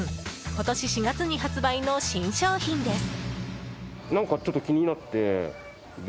今年４月に発売の新商品です。